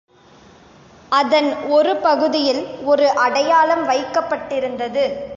அதன் ஒரு பகுதியில் ஒரு அடையாளம் வைக்கப்பட்டிருந்தது.